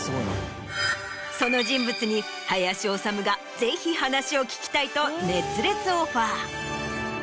その人物に林修がぜひ話を聞きたいと熱烈オファー。